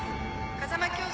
風間教場